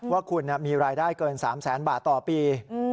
ว่าคุณมีรายได้เกิน๓แสนบาทต่อปี